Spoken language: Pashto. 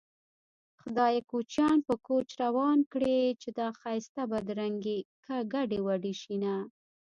خدايه کوچيان په کوچ روان کړې چې دا ښايسته بدرنګې ګډې وډې شينه